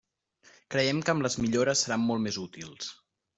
Creiem que amb les millores seran molt més útils.